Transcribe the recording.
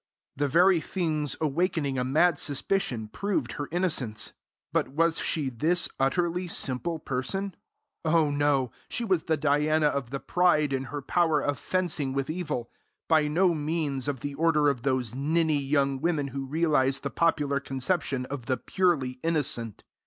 The very things awakening a mad suspicion proved her innocence. But was she this utterly simple person? Oh, no! She was the Diana of the pride in her power of fencing with evil by no means of the order of those ninny young women who realize the popular conception of the purely innocent.